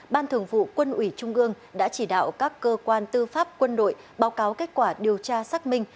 ban thường vụ quân ủy trung ương đã chỉ đạo các cơ quan tư pháp quân đội báo cáo kết quả điều tra xác minh